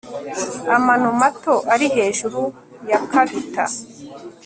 amano mato ari hejuru yakabita